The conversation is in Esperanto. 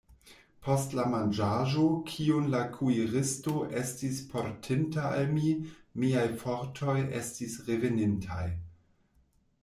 Post la manĝaĵo, kiun la kuiristo estis portinta al mi, miaj fortoj estis revenintaj.